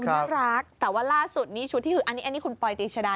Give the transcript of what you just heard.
มันน่ารักแต่ว่าล่าสุดแน่นี่คุณปลอยติชดา